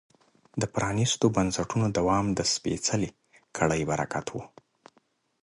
د پرانیستو بنسټونو دوام د سپېڅلې کړۍ برکت و.